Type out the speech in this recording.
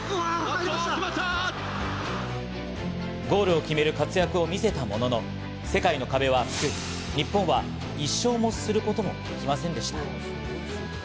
ゴールを決める活躍を見せたものの、世界の壁は厚く、日本は１勝もすることができませんでした。